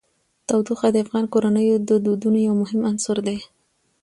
تودوخه د افغان کورنیو د دودونو یو مهم عنصر دی.